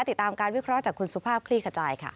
ติดตามการวิเคราะห์จากคุณสุภาพคลี่ขจายค่ะ